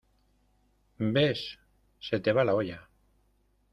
¿ ves? se te va la olla.